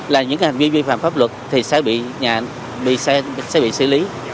là những hành vi vi phạm pháp luật thì sẽ bị xử lý